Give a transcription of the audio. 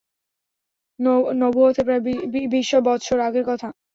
নবুয়তের প্রায় বিশ বৎসর আগের কথা।